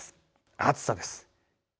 暑さです。